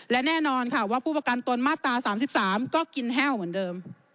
และแน่นอนค่ะว่าผู้ประกันตนมาตรา๓๓ก็กินแห้วเหมือนเดิม